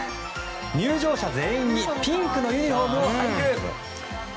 入場者全員にピンクのユニホームをあげる！